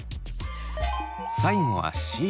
最後はＣ。